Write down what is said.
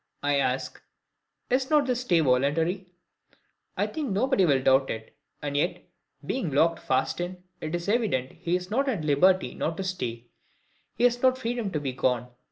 I ask, is not this stay voluntary? I think nobody will doubt it: and yet, being locked fast in, it is evident he is not at liberty not to stay, he has not freedom to be gone.